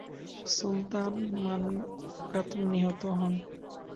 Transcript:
সুলতান Mangatung নিহত হন।